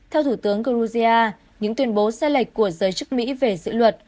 theo thủ tướng georgia những tuyên bố sai lệch của giới chức mỹ về dự luật